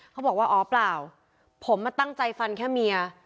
เขาบอกว่าอ๋อเปล่าผมมาตั้งใจฟันแค่เมีย